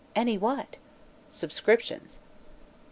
"Any what?" "Subscriptions."